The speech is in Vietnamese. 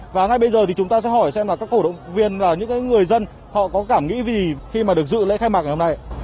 và ngay bây giờ thì chúng ta sẽ hỏi xem là các cổ động viên là những người dân họ có cảm nghĩ vì khi mà được dự lễ khai mạc ngày hôm nay